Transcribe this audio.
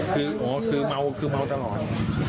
คือโอคือเมาเมาตลอด